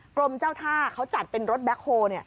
กรมเจ้าท่าเขาจัดเป็นรถแบ็คโฮล